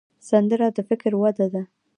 سندره د فکر وده ده